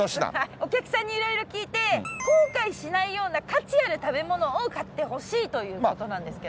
お客さんに色々聞いて後悔しないような価値ある食べ物を買ってほしいということなんですけれども。